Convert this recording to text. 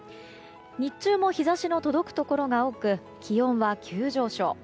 日中も日差しの届くところが多く気温は急上昇。